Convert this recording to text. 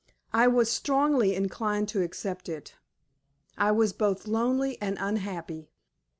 I was strongly inclined to accept it. I was both lonely and unhappy.